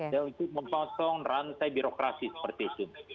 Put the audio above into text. dan untuk memponsong rantai birokrasi seperti itu